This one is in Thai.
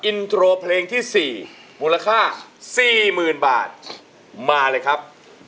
อินโทรเพลงที่สี่มูลค่าสี่หมื่นบาทมาเลยครับ